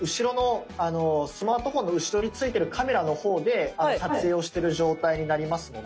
スマートフォンの後ろに付いてるカメラの方で撮影をしてる状態になりますので。